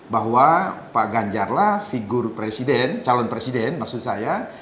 bahwa pak ganjar lah figur presiden calon presiden maksud saya